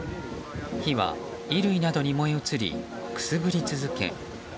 火は衣類などに燃え移りくすぶり続け